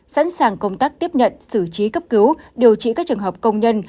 sẵn sàng công tác tiếp nhận xử trí cấp cứu điều trị các trường hợp công nhân